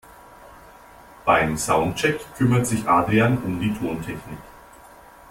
Beim Soundcheck kümmert sich Adrian um die Tontechnik.